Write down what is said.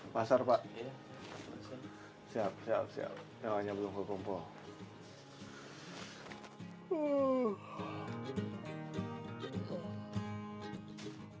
pasar pak siap siap siap yang hanya belum kekumpul